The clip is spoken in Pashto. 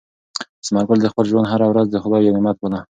ثمر ګل د خپل ژوند هره ورځ د خدای یو نعمت باله.